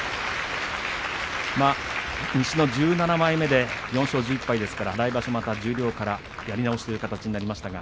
西の１７枚目で４勝１１敗ですから来場所また十両からやり直しということになります。